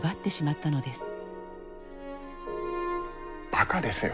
バカですよ。